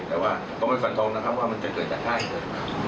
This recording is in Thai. แต่ว่าก็ไม่สันตรงนะครับว่ามันจะเกิดจากค่ายเกิดมา